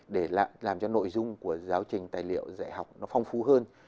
để làm cho nội dung của giáo trình tài liệu dạy học nó phong phú hơn